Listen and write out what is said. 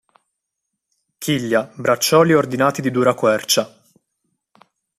Chiglia, braccioli e ordinate di dura quercia.